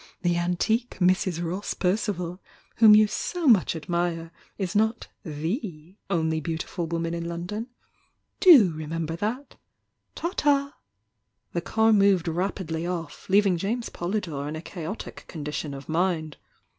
The anticiue Mrs. Ross Perci val, whom you so much admire, is not 'the' only beautiful woman in London! Do remember that! Ta ta!" The car moved rapidly off, leaving James Poly dore in a chaotic condition of mind.